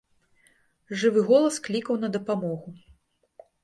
Жывы голас клікаў на дапамогу.